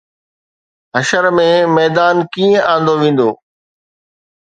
حشر ۾ ميدان ڪيئن آندو ويندو؟